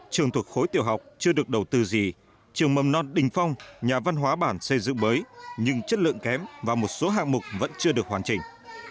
trường thuộc khối tiểu học chưa được đầu tư gì trường mầm non đình phong nhà văn hóa bản xây dựng mới nhưng chất lượng kém và một số hạng mục vẫn chưa được hoàn chỉnh